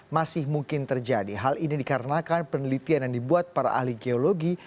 masih mungkin terjadi hal ini dikarenakan penelitian yang dibuat para ahli geologi